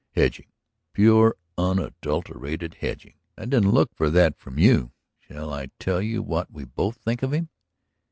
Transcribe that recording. "Hedging, pure, unadulterated hedging! I didn't look for that from you. Shall I tell you what we both think of him?